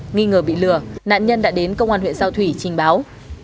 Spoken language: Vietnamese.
nghi ngờ bị lừa nạn nhân đã đến công an huyện giao thủy trình báo